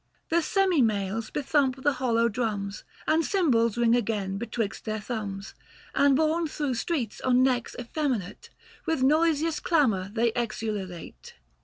The semi males bethump the hollow drums, And cymbals ring again betwixt their thumbs, As borne through streets on necks effeminate, With noisiest clamour they exululate.